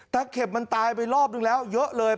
เข็บมันตายไปรอบนึงแล้วเยอะเลย